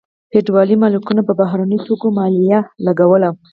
فیوډالي مالکانو په بهرنیو توکو مالیه لګوله.